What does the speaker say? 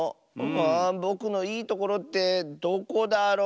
あぼくのいいところってどこだろ？